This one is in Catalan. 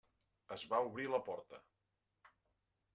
Es va obrir la porta.